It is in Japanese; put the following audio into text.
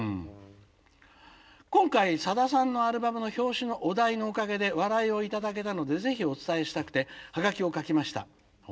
今回さださんのアルバムの表紙のお題のおかげで笑いを頂けたのでぜひお伝えしたくてハガキを書きました」。